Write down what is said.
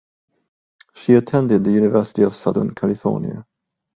She attended the University of Southern California.